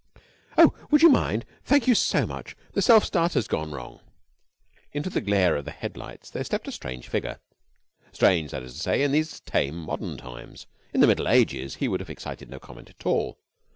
"Oh, would you mind? Thank you so much. The self starter has gone wrong." Into the glare of the head lights there stepped a strange figure, strange, that is to say, in these tame modern times. In the Middle Ages he would have excited no comment at all.